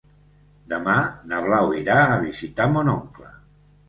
Demà na Blau irà a visitar mon oncle.